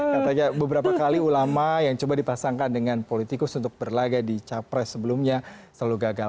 katanya beberapa kali ulama yang coba dipasangkan dengan politikus untuk berlaga di capres sebelumnya selalu gagal